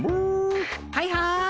はいはい。